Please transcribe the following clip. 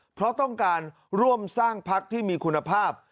เพราะต้องการร่วมสร้างพักรวมไทยสร้างชาติที่มีคุณภาพ